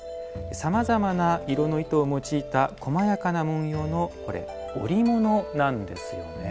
さまざまな色の糸を用いたこまやかな文様のこれ織物なんですよね。